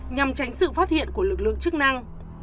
nhằm tránh sự phát hiện của lực lượng chức năng